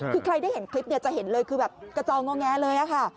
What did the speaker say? คือใครได้เห็นคลิปเนี่ยจะเห็นเลยคือแบบกระจองงอแงเลยค่ะ